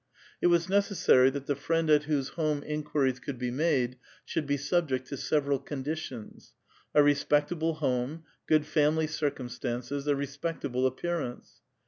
It was necessary that the friend at whose home inquiries could be made should be subject to several conditions, — a respect able home, good family circumstances, a respectable appear ance.